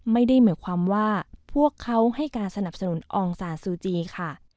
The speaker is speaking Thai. ไม่ได้หมายความว่าพวกเขาให้การสนับสนุนอองซานซูจีค่ะ